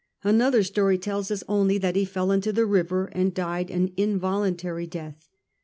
Another story tells us only that he fell into the river, and died an Antinous. involuntary death.